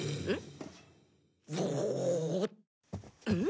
うん？